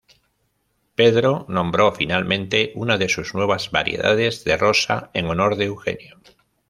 Pedro nombró finalmente una de sus nuevas variedades de rosa en honor de Eugenio.